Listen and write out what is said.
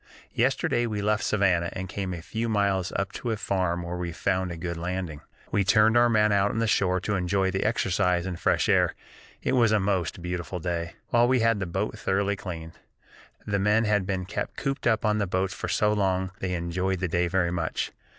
Yesterday we left Savannah and came a few miles up to a farm where we found a good landing. We turned our men out on the shore to enjoy the exercise and fresh air (it was a most beautiful day), while we had the boat thoroughly cleaned. The men had been kept cooped up on the boats for so long they enjoyed the day very much.